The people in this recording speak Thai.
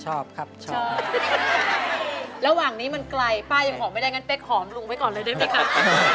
ก็ไปหอมลุงไว้ก่อนเลยได้ไหมครับ